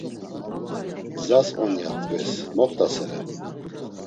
Gzas on, ya tkves, moxtasere.